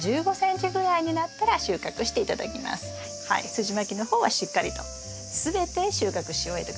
すじまきの方はしっかりと全て収穫し終えて下さい。